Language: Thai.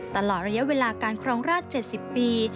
ตลอดระยะเวลาการครองราช๗๐ปี